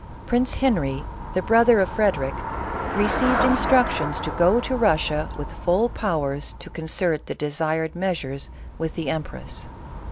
Prince Henry, the brother of Frederic, received instructions to go to Russia with full powers to concert the desired measures with the empress.